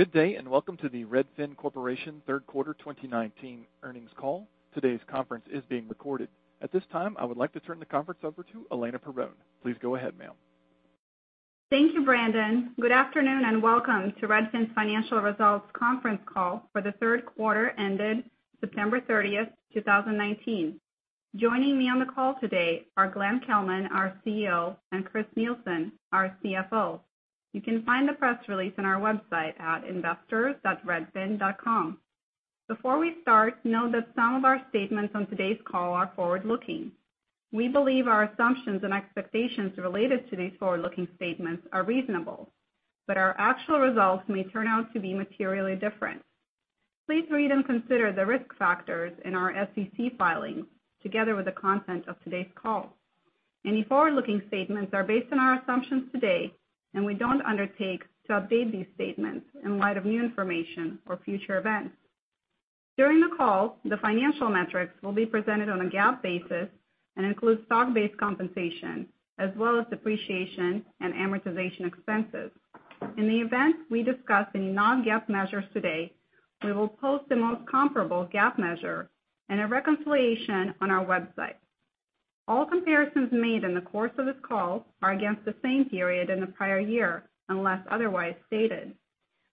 Good day and welcome to the Redfin Corporation Third Quarter 2019 Earnings Call. Today's conference is being recorded. At this time, I would like to turn the conference over to Elena Perron. Please go ahead, ma'am. Thank you, Brandon. Good afternoon, and welcome to Redfin's financial results conference call for the third quarter ended September 30th, 2019. Joining me on the call today are Glenn Kelman, our CEO, and Chris Nielsen, our CFO. You can find the press release on our website at investors.redfin.com. Before we start, know that some of our statements on today's call are forward-looking. We believe our assumptions and expectations related to these forward-looking statements are reasonable, but our actual results may turn out to be materially different. Please read and consider the risk factors in our SEC filings, together with the content of today's call. Any forward-looking statements are based on our assumptions today, and we don't undertake to update these statements in light of new information or future events. During the call, the financial metrics will be presented on a GAAP basis and include stock-based compensation, as well as depreciation and amortization expenses. In the event we discuss any non-GAAP measures today, we will post the most comparable GAAP measure and a reconciliation on our website. All comparisons made in the course of this call are against the same period in the prior year, unless otherwise stated.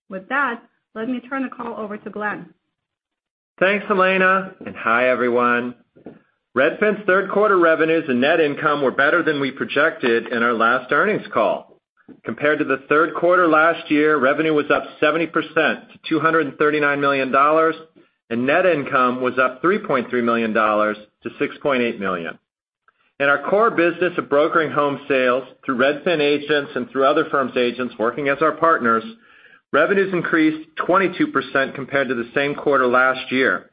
With that, let me turn the call over to Glenn. Thanks, Elena, and hi, everyone. Redfin's third quarter revenues and net income were better than we projected in our last earnings call. Compared to the third quarter last year, revenue was up 70% to $239 million, and net income was up $3.3 million to $6.8 million. In our core business of brokering home sales through Redfin agents and through other firms' agents working as our partners, revenues increased 22% compared to the same quarter last year.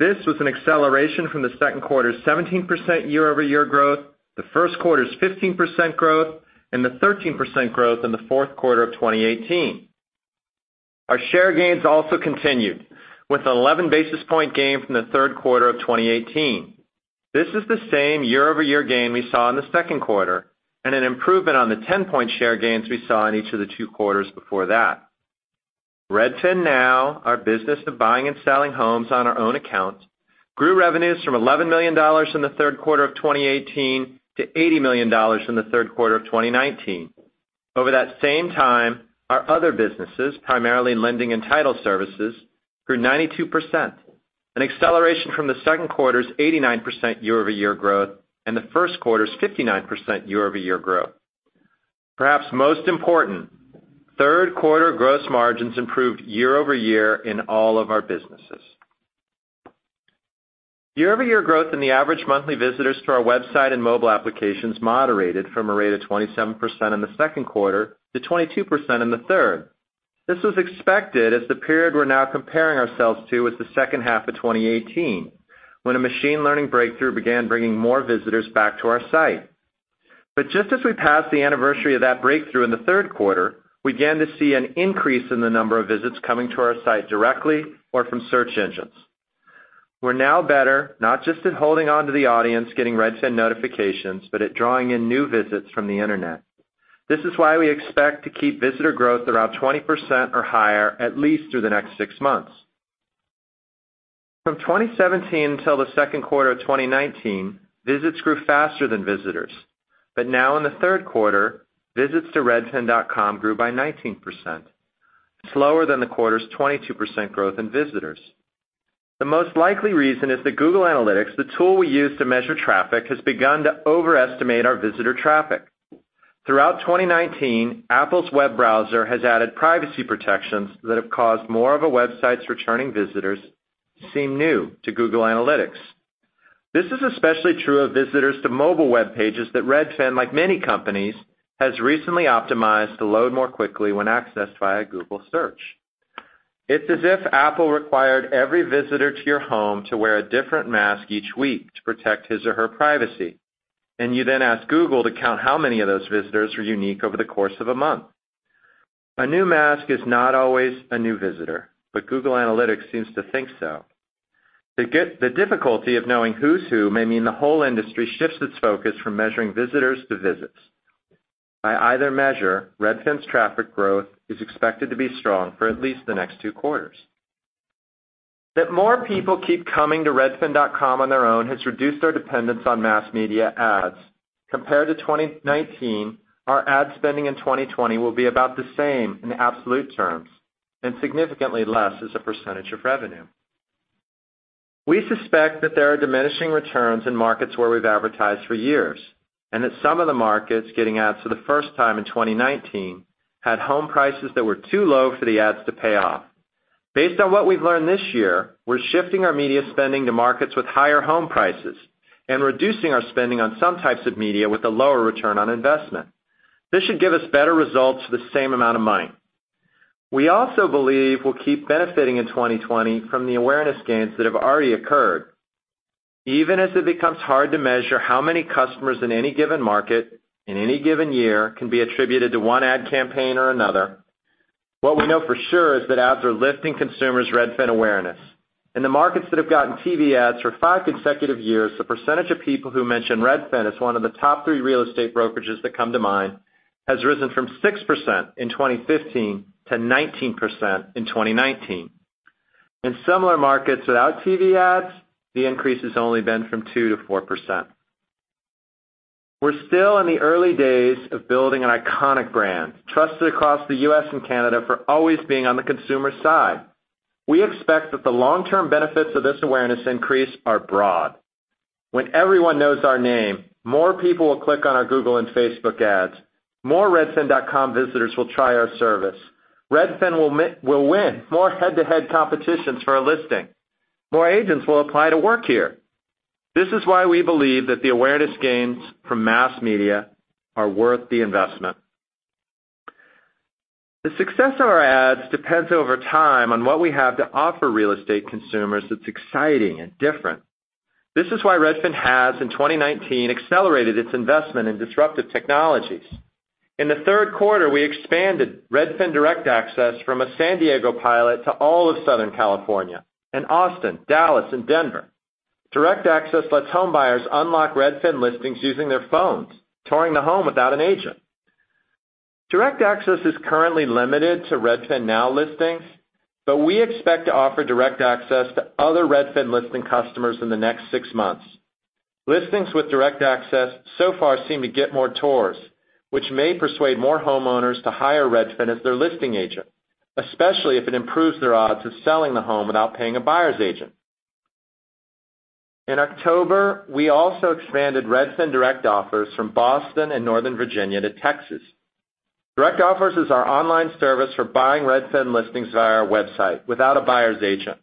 This was an acceleration from the second quarter's 17% year-over-year growth, the first quarter's 15% growth, and the 13% growth in the fourth quarter of 2018. Our share gains also continued, with an 11-basis point gain from the third quarter of 2018. This is the same year-over-year gain we saw in the second quarter, and an improvement on the 10-point share gains we saw in each of the two quarters before that. RedfinNow, our business of buying and selling homes on our own account, grew revenues from $11 million in the third quarter of 2018 to $80 million in the third quarter of 2019. Over that same time, our other businesses, primarily lending and title services, grew 92%, an acceleration from the second quarter's 89% year-over-year growth and the first quarter's 59% year-over-year growth. Perhaps most important, third quarter gross margins improved year-over-year in all of our businesses. Year-over-year growth in the average monthly visitors to our website and mobile applications moderated from a rate of 27% in the second quarter to 22% in the third. This was expected, as the period we're now comparing ourselves to was the second half of 2018, when a machine learning breakthrough began bringing more visitors back to our site. Just as we passed the anniversary of that breakthrough in the third quarter, we began to see an increase in the number of visits coming to our site directly or from search engines. We're now better, not just at holding onto the audience getting Redfin notifications, but at drawing in new visits from the internet. This is why we expect to keep visitor growth around 20% or higher at least through the next six months. From 2017 until the second quarter of 2019, visits grew faster than visitors, but now in the third quarter, visits to redfin.com grew by 19%, slower than the quarter's 22% growth in visitors. The most likely reason is that Google Analytics, the tool we use to measure traffic, has begun to overestimate our visitor traffic. Throughout 2019, Apple's web browser has added privacy protections that have caused more of a website's returning visitors to seem new to Google Analytics. This is especially true of visitors to mobile web pages that Redfin, like many companies, has recently optimized to load more quickly when accessed via Google Search. It's as if Apple required every visitor to your home to wear a different mask each week to protect his or her privacy, and you then ask Google to count how many of those visitors were unique over the course of a month. A new mask is not always a new visitor, but Google Analytics seems to think so. The difficulty of knowing who's who may mean the whole industry shifts its focus from measuring visitors to visits. By either measure, Redfin's traffic growth is expected to be strong for at least the next two quarters. That more people keep coming to redfin.com on their own has reduced our dependence on mass media ads. Compared to 2019, our ad spending in 2020 will be about the same in absolute terms and significantly less as a percentage of revenue. We suspect that there are diminishing returns in markets where we've advertised for years, and that some of the markets getting ads for the first time in 2019 had home prices that were too low for the ads to pay off. Based on what we've learned this year, we're shifting our media spending to markets with higher home prices and reducing our spending on some types of media with a lower return on investment. This should give us better results for the same amount of money. We also believe we'll keep benefiting in 2020 from the awareness gains that have already occurred. Even as it becomes hard to measure how many customers in any given market in any given year can be attributed to one ad campaign or another, what we know for sure is that ads are lifting consumers' Redfin awareness. In the markets that have gotten TV ads for five consecutive years, the percentage of people who mention Redfin as one of the top three real estate brokerages that come to mind has risen from 6% in 2015 to 19% in 2019. In similar markets without TV ads, the increase has only been from 2% to 4%. We're still in the early days of building an iconic brand, trusted across the U.S. and Canada for always being on the consumer side. We expect that the long-term benefits of this awareness increase are broad. When everyone knows our name, more people will click on our Google and Facebook ads. More redfin.com visitors will try our service. Redfin will win more head-to-head competitions for a listing, more agents will apply to work here. This is why we believe that the awareness gains from mass media are worth the investment. The success of our ads depends over time on what we have to offer real estate consumers that's exciting and different. This is why Redfin has, in 2019, accelerated its investment in disruptive technologies. In the third quarter, we expanded Redfin Direct Access from a San Diego pilot to all of Southern California, and Austin, Dallas, and Denver. Direct Access lets home buyers unlock Redfin listings using their phones, touring the home without an agent. Direct Access is currently limited to RedfinNow listings, but we expect to offer Direct Access to other Redfin listing customers in the next six months. Listings with Direct Access so far seem to get more tours, which may persuade more homeowners to hire Redfin as their listing agent, especially if it improves their odds of selling the home without paying a buyer's agent. In October, we also expanded Redfin Direct Offers from Boston and Northern Virginia to Texas. Direct Offers is our online service for buying Redfin listings via our website without a buyer's agent.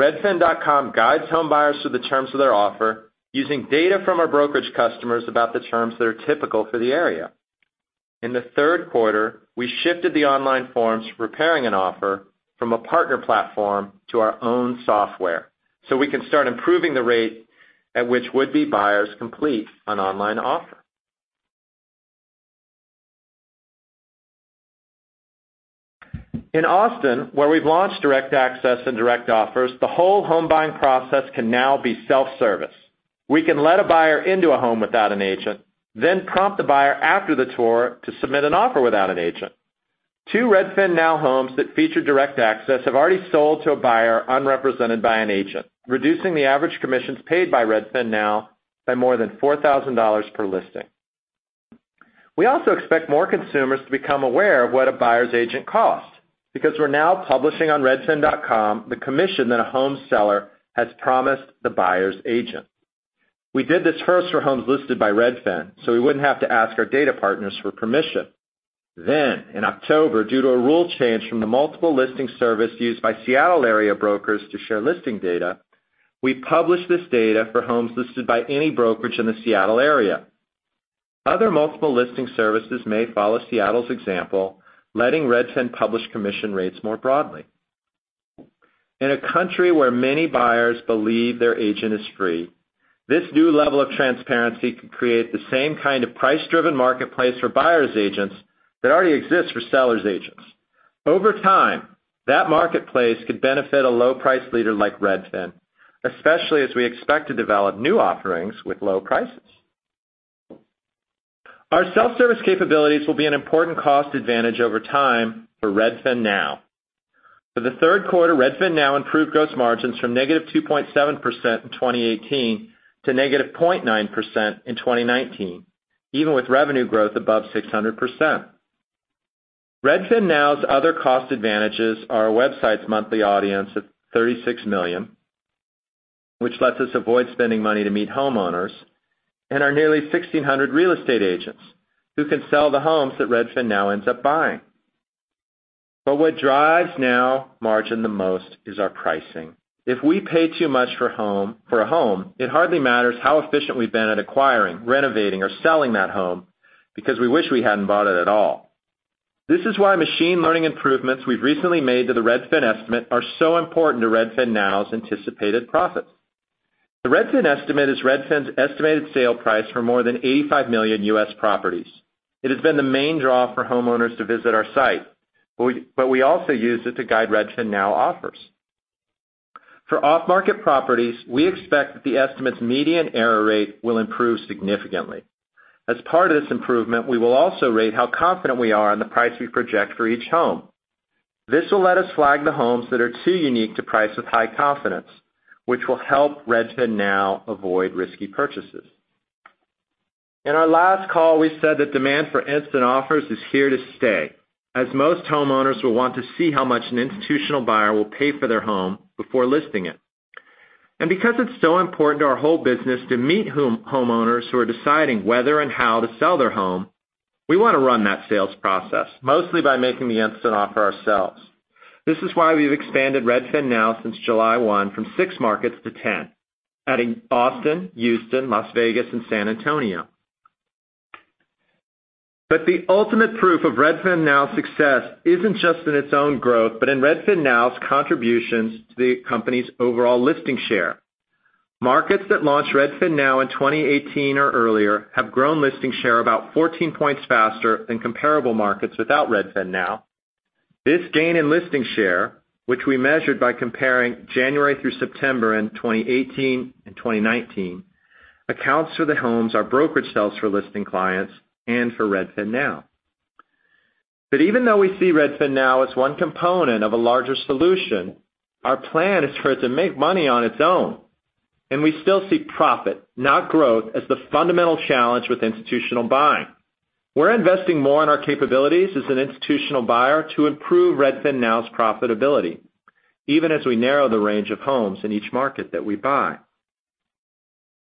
redfin.com guides home buyers through the terms of their offer using data from our brokerage customers about the terms that are typical for the area. In the third quarter, we shifted the online forms for preparing an offer from a partner platform to our own software, so we can start improving the rate at which would-be buyers complete an online offer. In Austin, where we've launched Direct Access and Direct Offers, the whole home buying process can now be self-service. We can let a buyer into a home without an agent, then prompt the buyer after the tour to submit an offer without an agent. Two RedfinNow homes that feature Direct Access have already sold to a buyer unrepresented by an agent, reducing the average commissions paid by RedfinNow by more than $4,000 per listing. We also expect more consumers to become aware of what a buyer's agent costs, because we're now publishing on redfin.com the commission that a home seller has promised the buyer's agent. We did this first for homes listed by Redfin, so we wouldn't have to ask our data partners for permission. Then, in October, due to a rule change from the multiple listing service used by Seattle-area brokers to share listing data, we published this data for homes listed by any brokerage in the Seattle area. Other multiple listing services may follow Seattle's example, letting Redfin publish commission rates more broadly. In a country where many buyers believe their agent is free, this new level of transparency could create the same kind of price-driven marketplace for buyer's agents that already exists for seller's agents. Over time, that marketplace could benefit a low price leader like Redfin, especially as we expect to develop new offerings with low prices. Our self-service capabilities will be an important cost advantage over time for RedfinNow. For the third quarter, RedfinNow improved gross margins from -2.7% in 2018 to -0.9% in 2019, even with revenue growth above 600%. RedfinNow's other cost advantages are our website's monthly audience of 36 million, which lets us avoid spending money to meet homeowners, and our nearly 1,600 real estate agents, who can sell the homes that RedfinNow ends up buying. What drives Now margin the most is our pricing. If we pay too much for a home, it hardly matters how efficient we've been at acquiring, renovating, or selling that home, because we wish we hadn't bought it at all. This is why machine learning improvements we've recently made to the Redfin Estimate are so important to RedfinNow's anticipated profits. The Redfin Estimate is Redfin's estimated sale price for more than 85 million U.S. properties. It has been the main draw for homeowners to visit our site, but we also use it to guide RedfinNow offers. For off-market properties, we expect that the estimate's median error rate will improve significantly. As part of this improvement, we will also rate how confident we are on the price we project for each home. This will let us flag the homes that are too unique to price with high confidence, which will help RedfinNow avoid risky purchases. In our last call, we said that demand for instant offers is here to stay, as most homeowners will want to see how much an institutional buyer will pay for their home before listing it, and because it's so important to our whole business to meet homeowners who are deciding whether and how to sell their home, we want to run that sales process, mostly by making the instant offer ourselves. This is why we've expanded RedfinNow since July 1 from six markets to 10, adding Boston, Houston, Las Vegas, and San Antonio. The ultimate proof of RedfinNow's success isn't just in its own growth, but in RedfinNow's contributions to the company's overall listing share. Markets that launched RedfinNow in 2018 or earlier have grown listing share about 14 points faster than comparable markets without RedfinNow. This gain in listing share, which we measured by comparing January through September in 2018 and 2019, accounts for the homes our brokerage sells for listing clients and for RedfinNow. Even though we see RedfinNow as one component of a larger solution, our plan is for it to make money on its own, and we still see profit, not growth, as the fundamental challenge with institutional buying. We're investing more in our capabilities as an institutional buyer to improve RedfinNow's profitability, even as we narrow the range of homes in each market that we buy.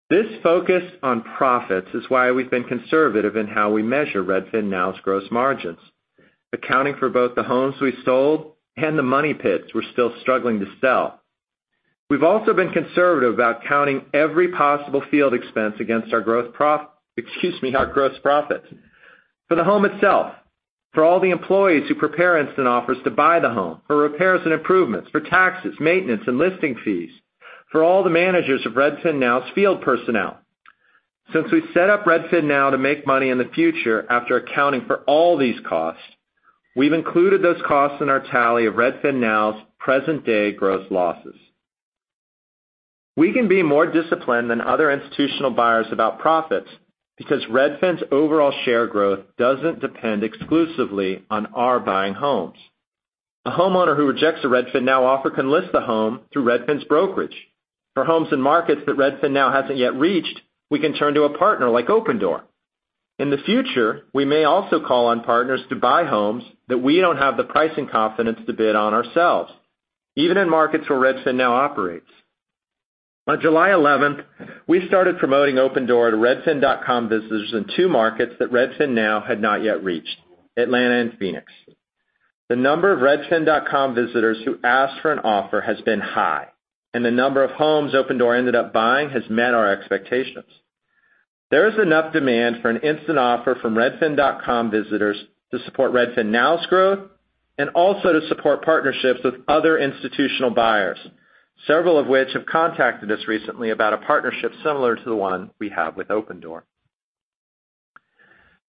This focus on profits is why we've been conservative in how we measure RedfinNow's gross margins, accounting for both the homes we sold and the money pits we're still struggling to sell. We've also been conservative about counting every possible field expense against our gross profits. For the home itself, for all the employees who prepare instant offers to buy the home, for repairs and improvements, for taxes, maintenance, and listing fees, for all the managers of RedfinNow's field personnel. Since we set up RedfinNow to make money in the future after accounting for all these costs, we've included those costs in our tally of RedfinNow's present-day gross losses. We can be more disciplined than other institutional buyers about profits because Redfin's overall share growth doesn't depend exclusively on our buying homes. A homeowner who rejects a RedfinNow offer can list the home through Redfin's brokerage. For homes and markets that RedfinNow hasn't yet reached, we can turn to a partner like Opendoor. In the future, we may also call on partners to buy homes that we don't have the pricing confidence to bid on ourselves, even in markets where RedfinNow operates. On July 11th, we started promoting Opendoor to redfin.com visitors in two markets that RedfinNow had not yet reached, Atlanta and Phoenix. The number of redfin.com visitors who asked for an offer has been high and the number of homes Opendoor ended up buying has met our expectations. There is enough demand for an instant offer from redfin.com visitors to support RedfinNow's growth and also to support partnerships with other institutional buyers, several of which have contacted us recently about a partnership similar to the one we have with Opendoor.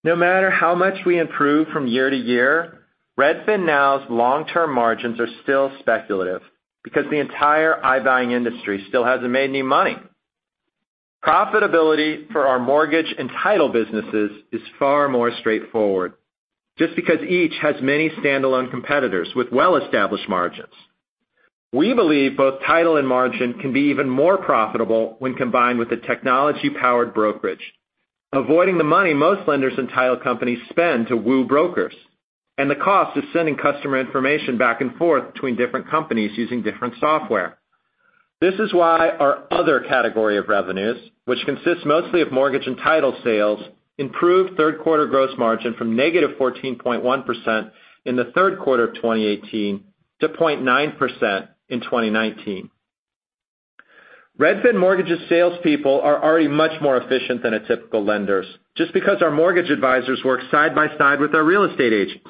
No matter how much we improve from year to year, RedfinNow's long-term margins are still speculative because the entire iBuying industry still hasn't made any money. Profitability for our mortgage and title businesses is far more straightforward, just because each has many standalone competitors with well-established margins. We believe both title and margin can be even more profitable when combined with a technology-powered brokerage, avoiding the money most lenders and title companies spend to woo brokers, and the cost of sending customer information back and forth between different companies using different software. This is why our other category of revenues, which consists mostly of mortgage and title sales, improved third-quarter gross margin from -14.1% in the third quarter of 2018 to 0.9% in 2019. Redfin Mortgage's salespeople are already much more efficient than a typical lender's, just because our mortgage advisors work side by side with our real estate agents.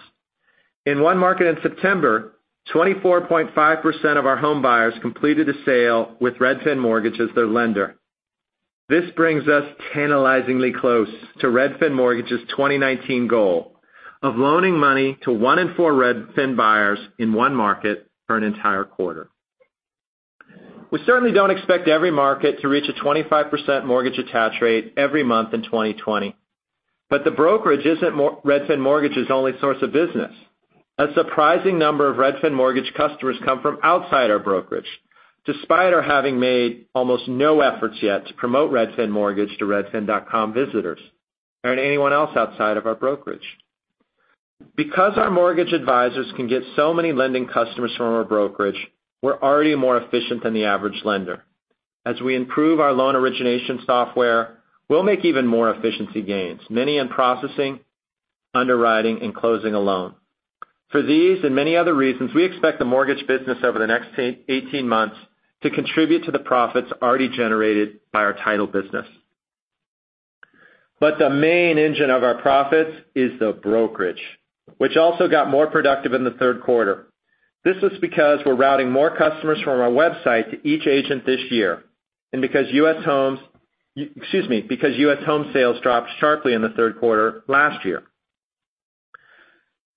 In one market in September, 24.5% of our home buyers completed a sale with Redfin Mortgage as their lender. This brings us tantalizingly close to Redfin Mortgage's 2019 goal of loaning money to one in four Redfin buyers in one market for an entire quarter. We certainly don't expect every market to reach a 25% mortgage attach rate every month in 2020, but the brokerage isn't Redfin Mortgage's only source of business. A surprising number of Redfin Mortgage customers come from outside our brokerage, despite our having made almost no efforts yet to promote Redfin Mortgage to redfin.com visitors or anyone else outside of our brokerage. Because our mortgage advisors can get so many lending customers from our brokerage, we're already more efficient than the average lender. As we improve our loan origination software, we'll make even more efficiency gains, many in processing, underwriting, and closing a loan. For these and many other reasons, we expect the mortgage business over the next 18 months to contribute to the profits already generated by our title business. The main engine of our profits is the brokerage, which also got more productive in the third quarter. This is because we're routing more customers from our website to each agent this year and because U.S. home sales dropped sharply in the third quarter last year.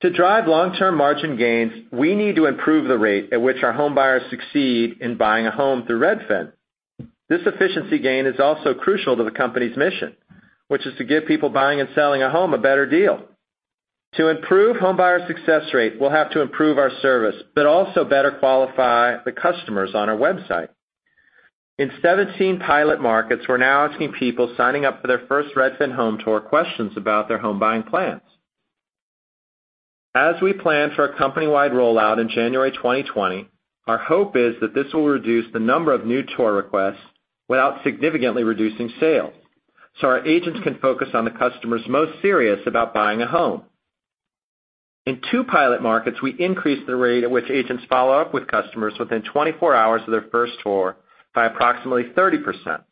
To drive long-term margin gains, we need to improve the rate at which our home buyers succeed in buying a home through Redfin. This efficiency gain is also crucial to the company's mission, which is to give people buying and selling a home a better deal. To improve home buyer success rate, we'll have to improve our service, but also better qualify the customers on our website. In 17 pilot markets, we're now asking people signing up for their first Redfin home tour questions about their home-buying plans. As we plan for a company-wide rollout in January 2020, our hope is that this will reduce the number of new tour requests without significantly reducing sales, so our agents can focus on the customers most serious about buying a home. In two pilot markets, we increased the rate at which agents follow up with customers within 24 hours of their first tour by approximately 30%.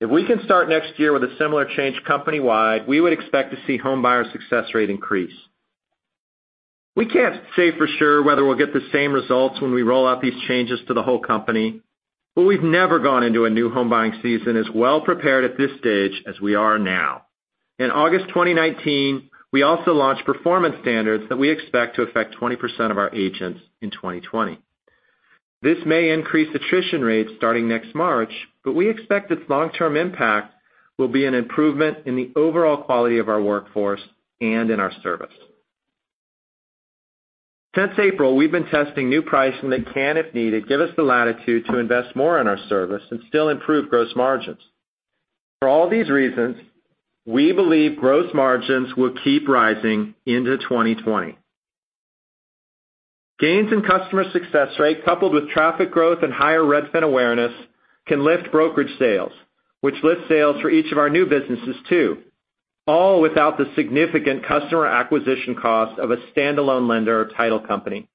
If we can start next year with a similar change company-wide, we would expect to see home buyer success rate increase. We can't say for sure whether we'll get the same results when we roll out these changes to the whole company, but we've never gone into a new home buying season as well-prepared at this stage as we are now. In August 2019, we also launched performance standards that we expect to affect 20% of our agents in 2020. This may increase attrition rates starting next March, but we expect its long-term impact will be an improvement in the overall quality of our workforce and in our service. Since April, we've been testing new pricing that can, if needed, give us the latitude to invest more in our service, and still improve gross margins. For all these reasons, we believe gross margins will keep rising into 2020. Gains in customer success rate, coupled with traffic growth and higher Redfin awareness, can lift brokerage sales, which lifts sales for each of our new businesses too, all without the significant customer acquisition cost of a standalone lender or title company.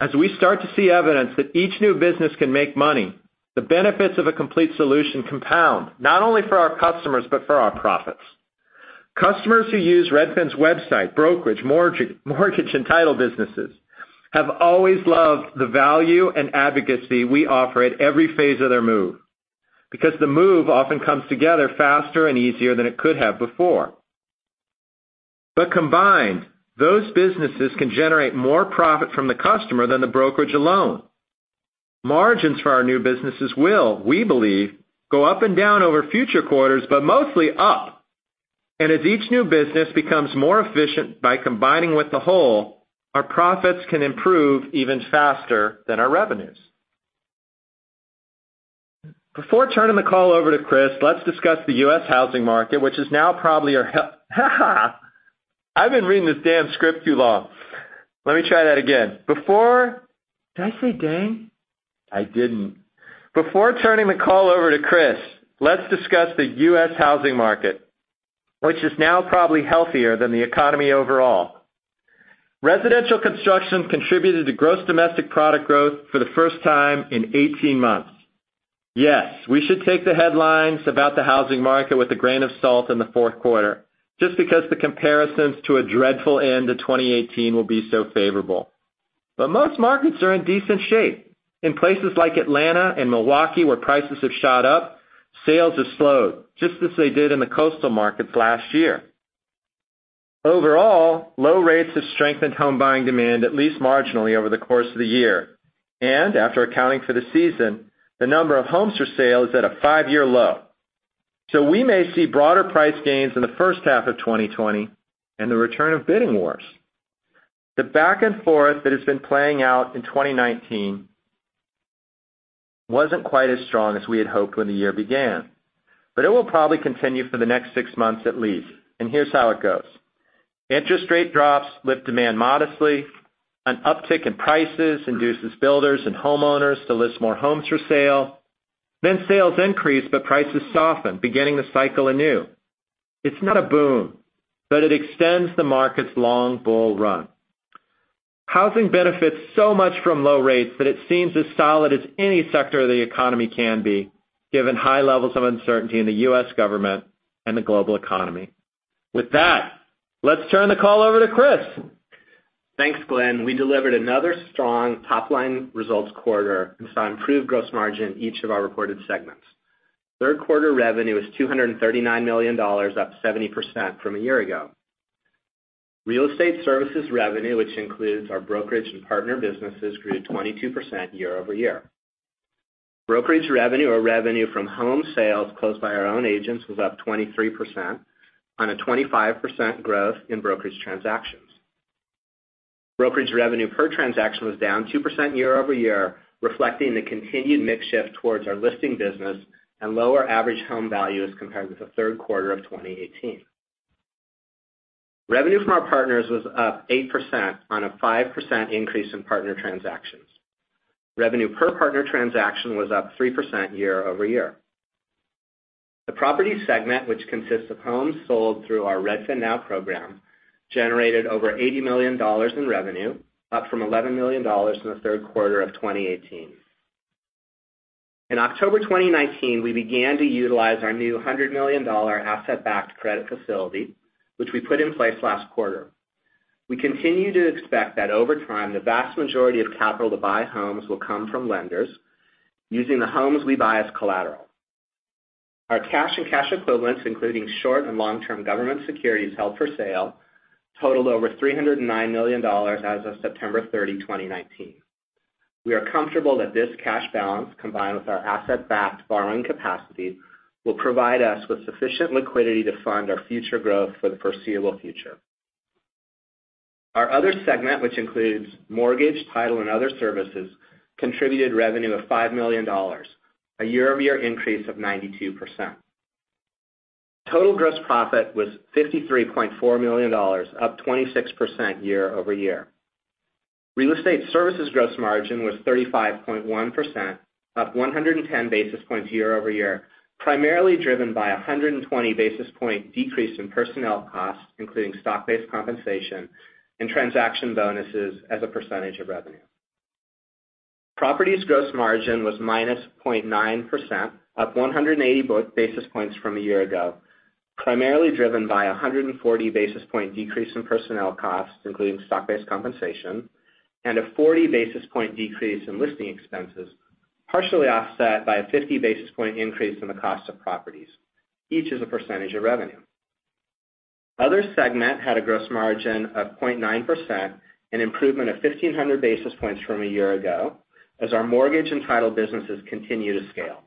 As we start to see evidence that each new business can make money, the benefits of a complete solution compound, not only for our customers, but for our profits. Customers who use Redfin's website, brokerage, mortgage, and title businesses have always loved the value and advocacy we offer at every phase of their move, because the move often comes together faster and easier than it could have before. Combined, those businesses can generate more profit from the customer than the brokerage alone. Margins for our new businesses will, we believe, go up and down over future quarters, but mostly up. As each new business becomes more efficient by combining with the whole, our profits can improve even faster than our revenues. Before turning the call over to Chris, let's discuss the U.S. housing market, which is now probably, I've been reading this damn script too long. Let me try that again. Before Did I say dang? I didn't. Before turning the call over to Chris, let's discuss the U.S. housing market, which is now probably healthier than the economy overall. Residential construction contributed to GDP growth for the first time in 18 months. Yes, we should take the headlines about the housing market with a grain of salt in the fourth quarter, just because the comparisons to a dreadful end to 2018 will be so favorable. Most markets are in decent shape. In places like Atlanta and Milwaukee, where prices have shot up, sales have slowed, just as they did in the coastal markets last year. Overall, low rates have strengthened home buying demand at least marginally over the course of the year. After accounting for the season, the number of homes for sale is at a five-year low. We may see broader price gains in the first half of 2020 and the return of bidding wars. The back and forth that has been playing out in 2019 wasn't quite as strong as we had hoped when the year began. It will probably continue for the next six months at least and here's how it goes. Interest rate drops lift demand modestly, an uptick in prices induces builders and homeowners to list more homes for sale, and sales increase, but prices soften, beginning the cycle anew. It's not a boom, but it extends the market's long bull run. Housing benefits so much from low rates that it seems as solid as any sector of the economy can be, given high levels of uncertainty in the U.S. government and the global economy. With that, let's turn the call over to Chris. Thanks, Glenn. We delivered another strong top-line results quarter and saw improved gross margin in each of our reported segments. Third quarter revenue was $239 million, up 70% from a year ago. Real estate services revenue, which includes our brokerage and partner businesses, grew 22% year-over-year. Brokerage revenue, or revenue from home sales closed by our own agents, was up 23% on a 25% growth in brokerage transactions. Brokerage revenue per transaction was down 2% year-over-year, reflecting the continued mix shift towards our listing business and lower average home values compared with the third quarter of 2018. Revenue from our partners was up 8% on a 5% increase in partner transactions. Revenue per partner transaction was up 3% year-over-year. The property segment, which consists of homes sold through our RedfinNow program, generated over $80 million in revenue, up from $11 million in the third quarter of 2018. In October 2019, we began to utilize our new $100 million asset-backed credit facility, which we put in place last quarter. We continue to expect that over time, the vast majority of capital to buy homes will come from lenders, using the homes we buy as collateral. Our cash and cash equivalents, including short and long-term government securities held for sale, totaled over $309 million as of September 30, 2019. We are comfortable that this cash balance, combined with our asset-backed borrowing capacity, will provide us with sufficient liquidity to fund our future growth for the foreseeable future. Our other segment, which includes mortgage, title, and other services, contributed revenue of $5 million, a year-over-year increase of 92%. Total gross profit was $53.4 million, up 26% year-over-year. Real estate services gross margin was 35.1%, up 110 basis points year-over-year, primarily driven by 120 basis point decrease in personnel costs, including stock-based compensation and transaction bonuses as a percentage of revenue. Properties gross margin was -0.9%, up 180 basis points from a year ago, primarily driven by a 140-basis point decrease in personnel costs, including stock-based compensation, and a 40-basis point decrease in listing expenses, partially offset by a 50-basis point increase in the cost of properties, each as a percentage of revenue. Other segment had a gross margin of 0.9%, an improvement of 1,500 basis points from a year ago, as our mortgage and title businesses continue to scale.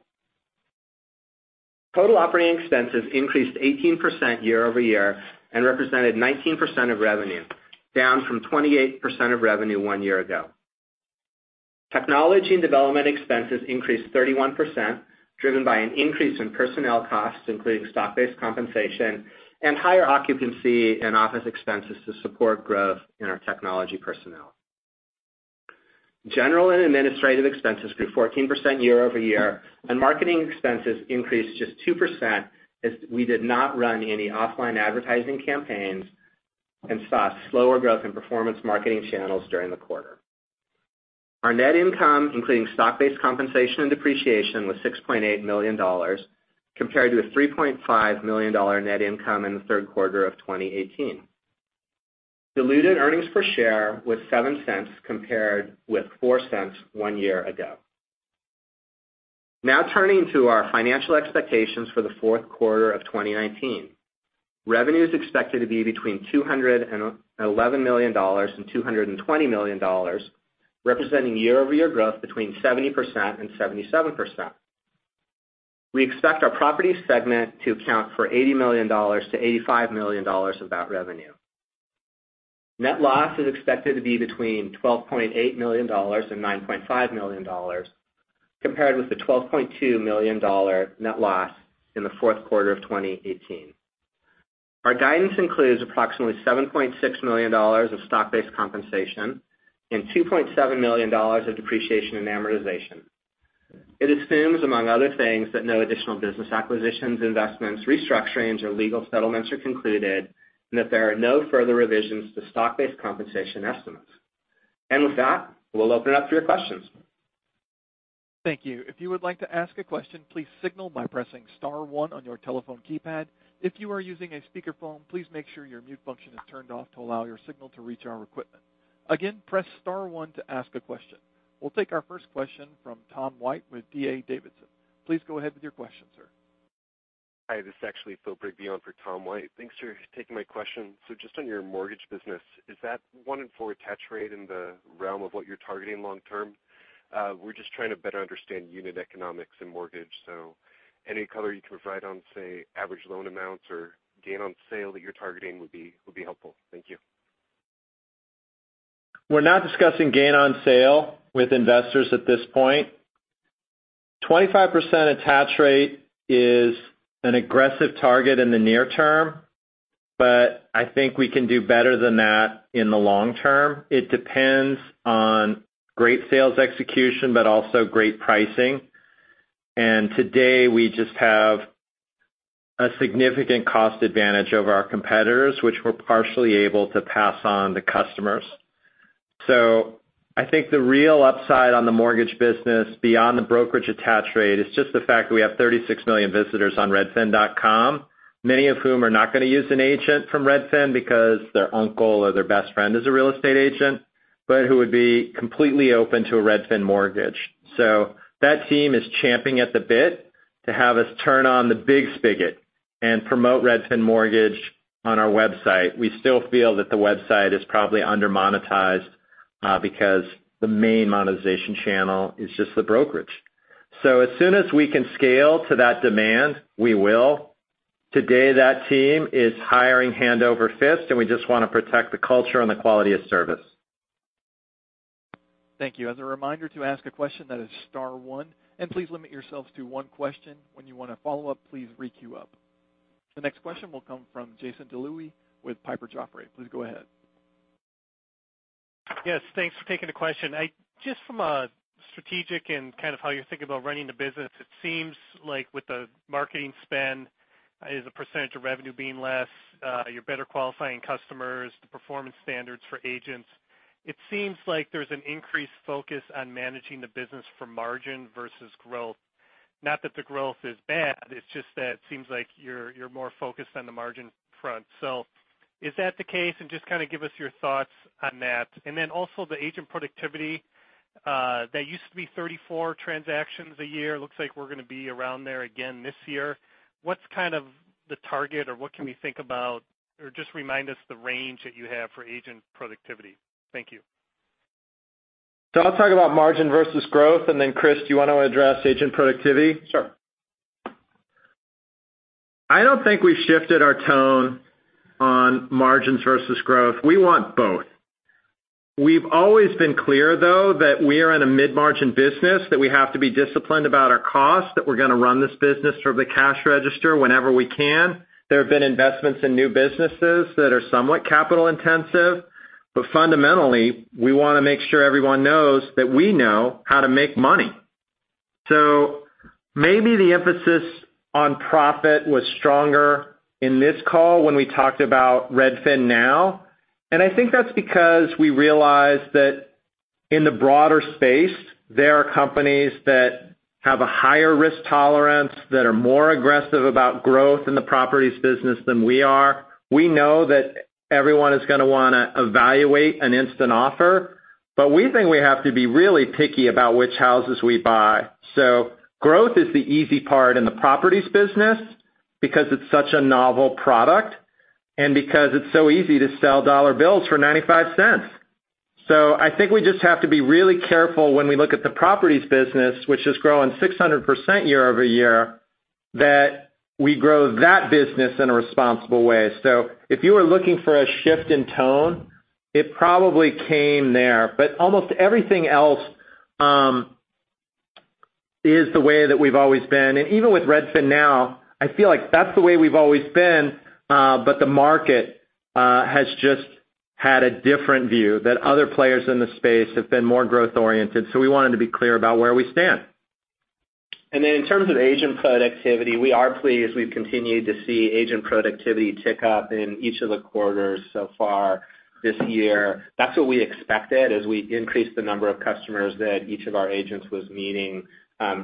Total operating expenses increased 18% year-over-year and represented 19% of revenue, down from 28% of revenue one year ago. Technology and development expenses increased 31%, driven by an increase in personnel costs, including stock-based compensation and higher occupancy and office expenses to support growth in our technology personnel. General and administrative expenses grew 14% year-over-year, and marketing expenses increased just 2% as we did not run any offline advertising campaigns and saw slower growth in performance marketing channels during the quarter. Our net income, including stock-based compensation and depreciation, was $6.8 million, compared to a $3.5 million net income in the third quarter of 2018. Diluted earnings per share was $0.07, compared with $0.04 one year ago. Turning to our financial expectations for the fourth quarter of 2019. Revenue is expected to be between $211 million and $220 million, representing year-over-year growth between 70% and 77%. We expect our property segment to account for $80 million to $85 million of that revenue. Net loss is expected to be between $12.8 million and $9.5 million, compared with the $12.2 million net loss in the fourth quarter of 2018. Our guidance includes approximately $7.6 million of stock-based compensation and $2.7 million of depreciation and amortization. It assumes, among other things, that no additional business acquisitions, investments, restructurings, or legal settlements are concluded, and that there are no further revisions to stock-based compensation estimates. With that, we'll open it up to your questions. Thank you. If you would like to ask a question, please signal by pressing star one on your telephone keypad. If you are using a speakerphone, please make sure your mute function is turned off to allow your signal to reach our equipment. Again, press star one to ask a question. We'll take our first question from Tom White with D.A. Davidson. Please go ahead with your question, sir. Hi, this is actually Phil Rigby for Tom White. Thanks for taking my question, so just on your mortgage business, is that one in four attach rate in the realm of what you're targeting long term? We're just trying to better understand unit economics in mortgage, so any color you can provide on, say, average loan amounts or gain on sale that you're targeting would be helpful. Thank you. We're not discussing gain on sale with investors at this point. 25% attach rate is an aggressive target in the near term, but I think we can do better than that in the long term. It depends on great sales execution, but also great pricing, and today, we just have a significant cost advantage over our competitors, which we're partially able to pass on to customers. I think the real upside on the mortgage business, beyond the brokerage attach rate, is just the fact that we have 36 million visitors on redfin.com, many of whom are not going to use an agent from Redfin because their uncle or their best friend is a real estate agent, but who would be completely open to a Redfin Mortgage. That team is champing at the bit to have us turn on the big spigot and promote Redfin Mortgage on our website. We still feel that the website is probably under-monetized, because the main monetization channel is just the brokerage. As soon as we can scale to that demand, we will. Today, that team is hiring hand over fist, and we just want to protect the culture and the quality of service. Thank you. As a reminder, to ask a question, that is star one. Please limit yourselves to one question. When you want to follow up, please re-queue up. The next question will come from Jason Deleeuw with Piper Jaffray. Please go ahead. Yes, thanks for taking the question. From a strategic and how you're thinking about running the business, it seems like with the marketing spend as a percentage of revenue being less, you're better qualifying customers, the performance standards for agents. It seems like there's an increased focus on managing the business for margin versus growth. Not that the growth is bad, it's just that it seems like you're more focused on the margin front. Is that the case? Just give us your thoughts on that. Then also, the agent productivity, that used to be 34 transactions a year. It looks like we're going to be around there again this year. What's the target or what can we think about or just remind us the range that you have for agent productivity. Thank you. I'll talk about margin versus growth, and then Chris, do you want to address agent productivity? Sure. I don't think we've shifted our tone on margins versus growth. We want both. We've always been clear, though, that we are in a mid-margin business, that we have to be disciplined about our costs, that we're going to run this business from the cash register whenever we can. There have been investments in new businesses that are somewhat capital-intensive. Fundamentally, we want to make sure everyone knows that we know how to make money. Maybe the emphasis on profit was stronger in this call when we talked about RedfinNow. I think that's because we realized that in the broader space, there are companies that have a higher risk tolerance, that are more aggressive about growth in the properties business than we are. We know that everyone is going to want to evaluate an instant offer. We think we have to be really picky about which houses we buy. Growth is the easy part in the properties business because it's such a novel product and because it's so easy to sell dollar bills for $0.95. I think we just have to be really careful when we look at the properties business, which is growing 600% year-over-year, that we grow that business in a responsible way. If you were looking for a shift in tone, it probably came there. Almost everything else is the way that we've always been, and even with RedfinNow, I feel like that's the way we've always been, but the market has just had a different view, that other players in the space have been more growth-oriented. We wanted to be clear about where we stand. In terms of agent productivity, we are pleased we've continued to see agent productivity tick up in each of the quarters so far this year. That's what we expected as we increased the number of customers that each of our agents was meeting,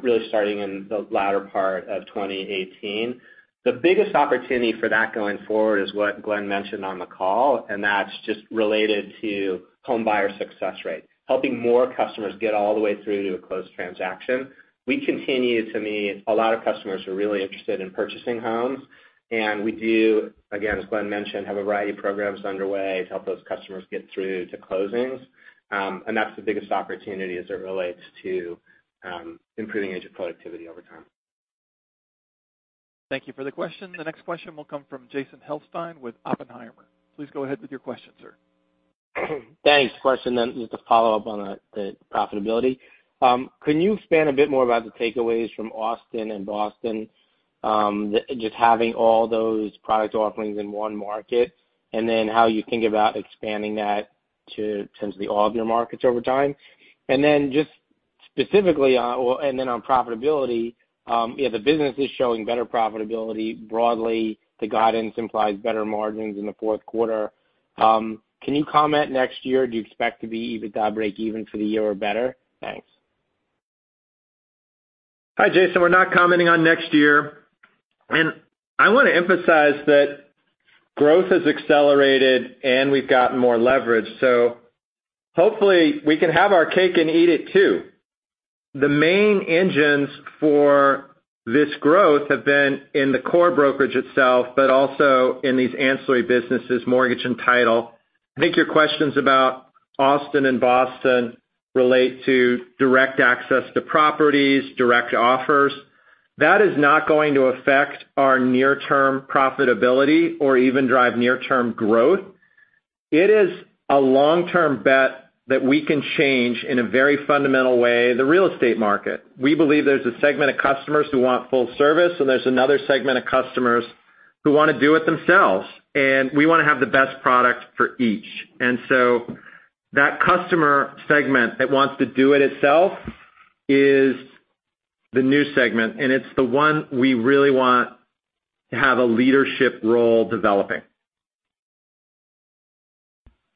really starting in the latter part of 2018. The biggest opportunity for that going forward is what Glenn mentioned on the call, and that's just related to homebuyer success rate, helping more customers get all the way through to a closed transaction. We continue to meet a lot of customers who are really interested in purchasing homes, we do, again, as Glenn mentioned, have a variety of programs underway to help those customers get through to closings, and that's the biggest opportunity as it relates to improving agent productivity over time. Thank you for the question. The next question will come from Jason Helfstein with Oppenheimer. Please go ahead with your question, sir. Thanks. First, just a follow-up on the profitability. Can you expand a bit more about the takeaways from Austin and Boston, just having all those product offerings in one market, how you think about expanding that to potentially all of your markets over time? On profitability, the business is showing better profitability broadly. The guidance implies better margins in the fourth quarter. Can you comment next year? Do you expect to be EBITDA breakeven for the year or better? Thanks. Hi, Jason. We're not commenting on next year, and I want to emphasize that growth has accelerated and we've gotten more leverage, so hopefully we can have our cake and eat it too. The main engines for this growth have been in the core brokerage itself, but also in these ancillary businesses, mortgage and title. I think your questions about Austin and Boston relate to Direct Access to properties, direct offers. That is not going to affect our near-term profitability or even drive near-term growth. It is a long-term bet that we can change, in a very fundamental way, the real estate market. We believe there's a segment of customers who want full service, and there's another segment of customers who want to do it themselves, and we want to have the best product for each. That customer segment that wants to do it itself is the new segment and it's the one we really want to have a leadership role developing.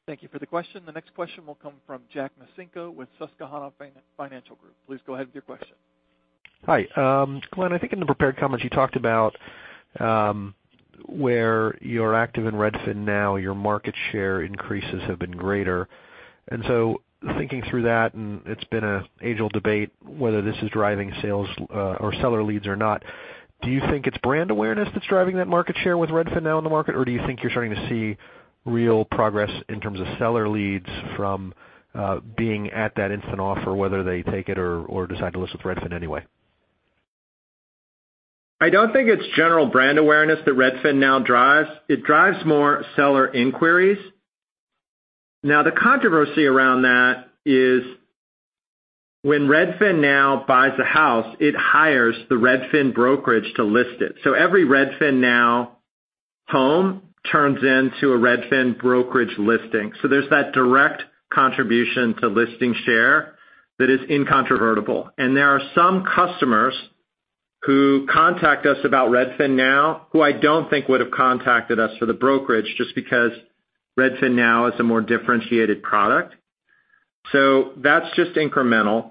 Thank you for the question. The next question will come from Jack Micenko with Susquehanna Financial Group. Please go ahead with your question. Hi. Glenn, I think in the prepared comments you talked about where you're active in RedfinNow, your market share increases have been greater, and so thinking through that, and it's been an age-old debate whether this is driving sales or seller leads or not. Do you think it's brand awareness that's driving that market share with Redfin Now in the market, or do you think you're starting to see real progress in terms of seller leads from being at that instant offer, whether they take it or decide to list with Redfin anyway? I don't think it's general brand awareness that RedfinNow drives. It drives more seller inquiries. The controversy around that is when Redfin Now buys a house, it hires the Redfin brokerage to list it. Every Redfin Now home turns into a Redfin brokerage listing. There's that direct contribution to listing share that is incontrovertible. There are some customers who contact us about Redfin Now who I don't think would've contacted us for the brokerage just because Redfin Now is a more differentiated product. That's just incremental.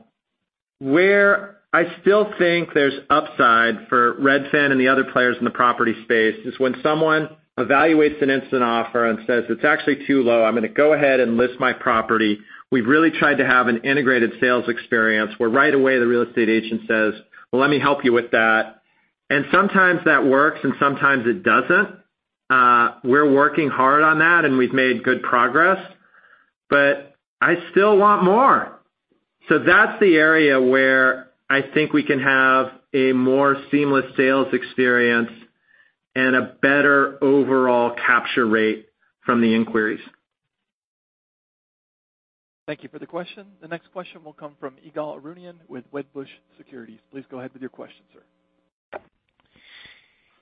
Where I still think there's upside for Redfin and the other players in the property space is when someone evaluates an instant offer and says, "It's actually too low. I'm going to go ahead and list my property." We've really tried to have an integrated sales experience or right away the real estate agent says, "Well, let me help you with that." Sometimes that works, and sometimes it doesn't. We're working hard on that, and we've made good progress, but I still want more. That's the area where I think we can have a more seamless sales experience and a better overall capture rate from the inquiries. Thank you for the question. The next question will come from Ygal Arounian with Wedbush Securities. Please go ahead with your question, sir.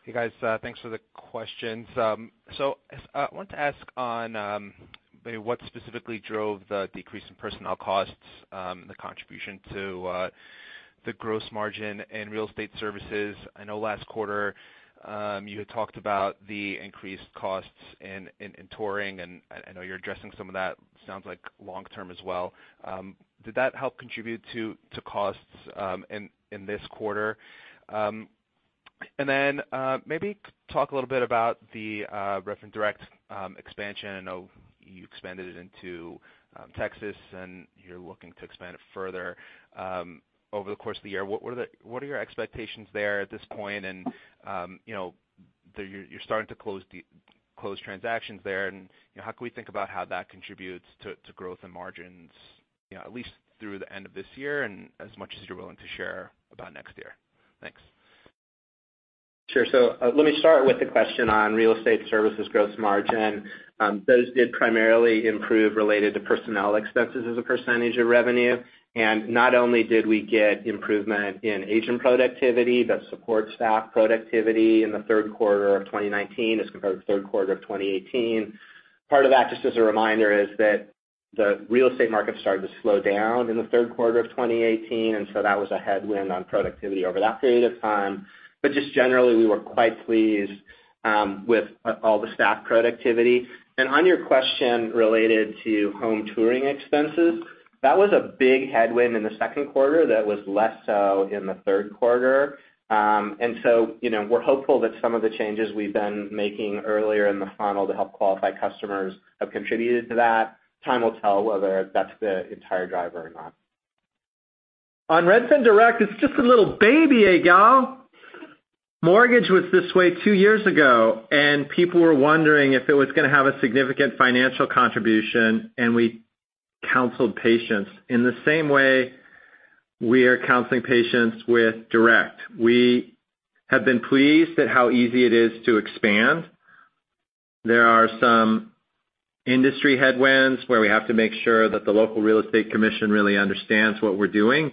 Hey guys, thanks for the questions. I wanted to ask on maybe what specifically drove the decrease in personnel costs, the contribution to the gross margin and real estate services? I know last quarter, you had talked about the increased costs in touring, and I know you're addressing some of that, sounds like long-term as well. Did that help contribute to costs in this quarter? Then maybe talk a little bit about the Redfin Direct expansion? I know you expanded it into Texas and you're looking to expand it further over the course of the year. What are your expectations there at this point? You're starting to close transactions there, and how can we think about how that contributes to growth and margins at least through the end of this year and as much as you're willing to share about next year? Thanks. Sure. Let me start with the question on real estate services gross margin. Those did primarily improve related to personnel expenses as a percentage of revenue. Not only did we get improvement in agent productivity, but support staff productivity in the third quarter of 2019 as compared to third quarter of 2018. Part of that, just as a reminder, is that the real estate market started to slow down in the third quarter of 2018. That was a headwind on productivity over that period of time, but just generally, we were quite pleased with all the staff productivity. On your question related to home touring expenses, that was a big headwind in the second quarter, that was less so in the third quarter. We're hopeful that some of the changes we've been making earlier in the funnel to help qualify customers have contributed to that. Time will tell whether that's the entire driver or not. Redfin Direct, it's just a little baby, Ygal. Mortgage was this way two years ago, and people were wondering if it was going to have a significant financial contribution, and we counseled patience. In the same way, we are counseling patience with Direct. We have been pleased at how easy it is to expand. There are some industry headwinds where we have to make sure that the local real estate commission really understands what we're doing,